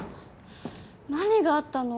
何があったの？